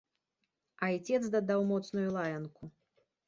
Айцец дадаў моцную лаянку.